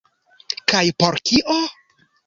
Kaj por kio?